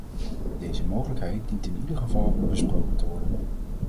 Deze mogelijkheid dient in ieder geval besproken te worden.